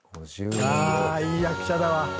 いい役者だわ。